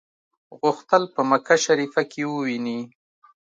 غوښتل په مکه شریفه کې وویني.